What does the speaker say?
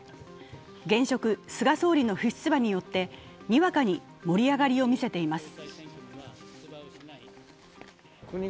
現職・菅総理の不出馬によってにわかに盛り上がりを見せています。